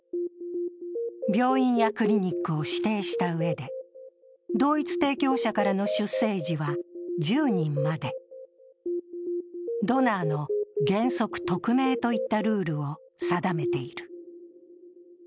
病院やクリニックを指定したうえで、同一提供者からの出生児は１０人まで、ドナーの原則匿名といったルールを定めている。